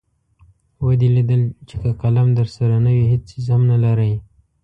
ودې لیدل چې که قلم درسره نه وي هېڅ څیز هم نلرئ.